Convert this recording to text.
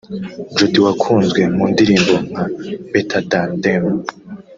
Jody wakunzwe mu ndirimbo nka ‘Better than Them’